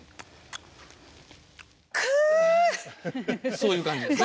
そういう感じですね。